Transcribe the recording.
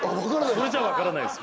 それじゃ分からないです